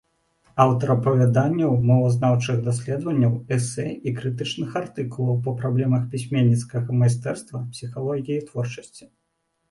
Аўтар апавяданняў, мовазнаўчых даследаванняў, эсэ і крытычных артыкулаў па праблемах пісьменніцкага майстэрства, псіхалогіі творчасці.